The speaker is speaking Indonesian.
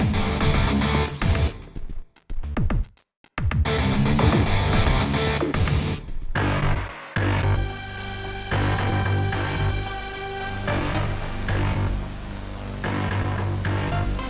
sampai jumpa lagi